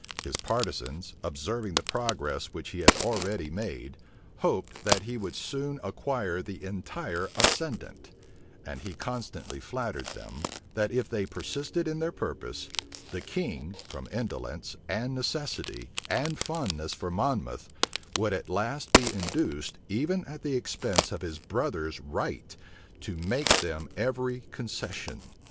His partisans, observing the progress which he had already made, hoped that he would soon acquire the entire ascendant; and he constantly flattered them, that if they persisted in their purpose; the king, from indolence, and necessity, and fondness for Monmouth, would at last be induced, even at the expense of his brother's right, to make them every concession.